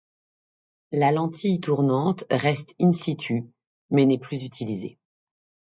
La lentille tournante reste in situ mais n'est plus utilisée.